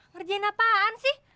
ngerjain apaan sih